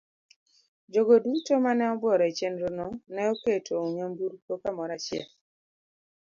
Jogo duto ma ne obworo e chenro no ne oketo nyamburko kamoro achiel.